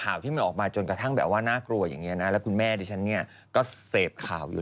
อันนี้เขาก็เป็นการพูดที่เขียนเอาไว้